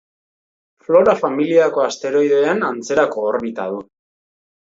Flora familiako asteroideen antzerako orbita du.